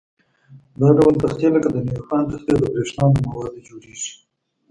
دا ډول تختې لکه د نیوپان تختې د برېښنا له موادو جوړيږي.